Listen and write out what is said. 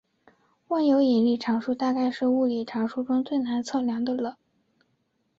万有引力常数大概是物理常数中最难测量的了。